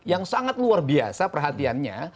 yang sangat luar biasa perhatiannya